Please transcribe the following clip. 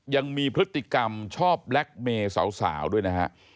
ยังมีพฤติกรรมชอบแล็คเมย์สาวด้วยนะฮะ